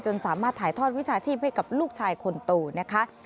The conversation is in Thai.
สามารถถ่ายทอดวิชาชีพให้กับลูกชายคนโตนะคะ